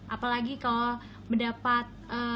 apalagi kalau mendapat